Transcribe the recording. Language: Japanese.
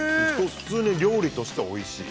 ◆普通に料理としておいしい。